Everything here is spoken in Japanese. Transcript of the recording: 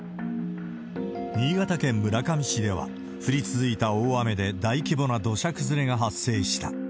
新潟県村上市では、降り続いた大雨で大規模な土砂崩れが発生した。